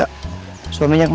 tahu gak suaminya kemana